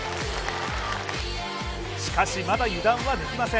しかし、まだ油断はできません